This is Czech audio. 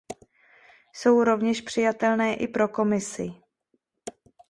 Jsou rovněž přijatelné i pro Komisi.